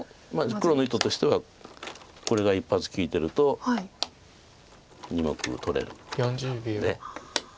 黒の意図としてはこれが一発利いてると２目取れることになるので。